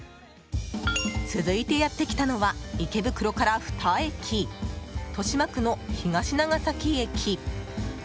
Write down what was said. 続いてやってきたのは池袋から２駅、豊島区の東長崎駅。